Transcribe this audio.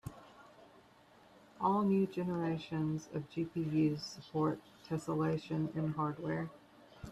All new generations of GPUs support tesselation in hardware.